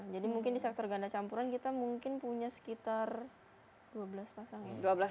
jadi mungkin di sektor ganda campuran kita mungkin punya sekitar dua belas pasangan